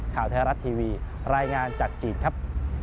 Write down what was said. ข่าวไทยรัฐทีวีรายงานจากจีนครับ